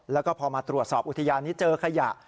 แล้วก็พอมาตรวจสอบอุทยานนี้เจอขยะ